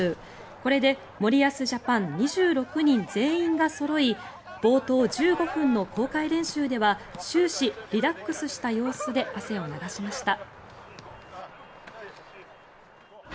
これで森保ジャパン２６人全員がそろい冒頭１５分の公開練習では終始リラックスした様子で汗を流しました。